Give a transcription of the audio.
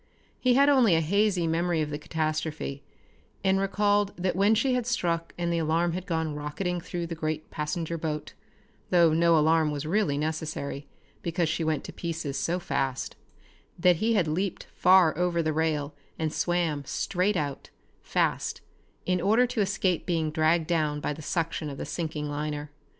He had only a hazy memory of the catastrophe, and recalled that when she had struck and the alarm had gone rocketing through the great passenger boat though no alarm was really necessary because she went to pieces so fast that he had leaped far over the rail and swam straight out, fast, in order to escape being dragged down by the suction of the sinking liner.